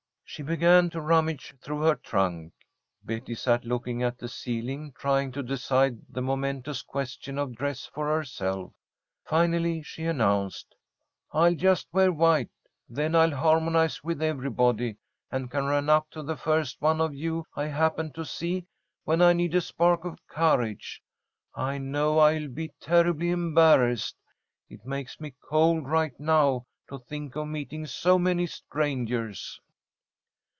She began to rummage through her trunk. Betty sat looking at the ceiling, trying to decide the momentous question of dress for herself. Finally she announced: "I'll just wear white, then I'll harmonize with everybody, and can run up to the first one of you I happen to see when I need a spark of courage. I know I'll be terribly embarrassed. It makes me cold right now to think of meeting so many strangers."